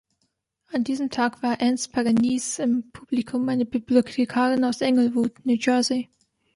An diesem Tag war Ann Sparanese im Publikum, eine Bibliothekarin aus Englewood, New Jersey.